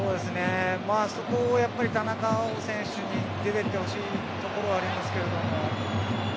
そこをやっぱり田中選手に出ていってほしいところはありますけど。